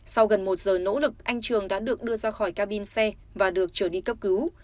sau gần một giờ nỗ lực anh trường đã được đưa ra khỏi cabin xe và được trở đi cấp cứu